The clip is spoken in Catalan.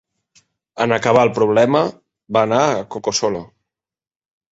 En acabar el problema, va anar a Coco Solo.